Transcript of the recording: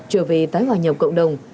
trở về tái hòa nhập cộng đồng